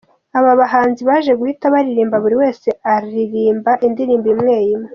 Aba bahanzi baje guhita baririmba buri wese aririmba indirimbo imwe imwe.